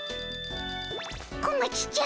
小町ちゃん